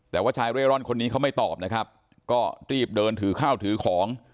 แต่ว่าชายเร่ร่อนคนนี้เขาไม่ตอบนะครับก็รีบเดินถือข้าวถือของ